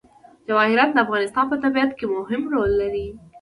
جواهرات د افغانستان په طبیعت کې مهم رول لري.